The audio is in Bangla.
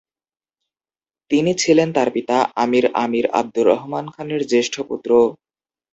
তিনি ছিলেন তার পিতা আমির আমির আবদুর রহমান খানের জ্যেষ্ঠ পুত্র।